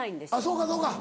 そうかそうか。